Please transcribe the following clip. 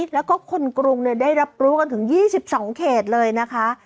แล้วก็คนกรุงเนี่ยได้รับรู้กันถึงยี่สิบสองเขตเลยนะคะ